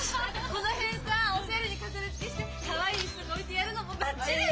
この辺さおしゃれに飾りつけしてかわいい椅子とか置いてやるのもばっちり！